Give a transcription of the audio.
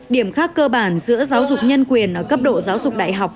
điểm khác cơ bản giữa giáo dục nhân quyền ở cấp độ giáo dục đại học